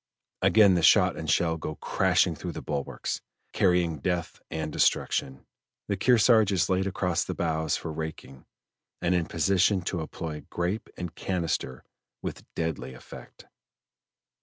Again the shot and shell go crashing through the bulwarks, carrying death and destruction; the Kearsarge is laid across the bows for raking and in position to employ grape and canister with deadly effect.